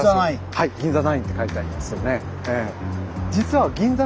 はい銀座９って書いてありますよね。